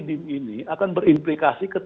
dim ini akan berimplikasi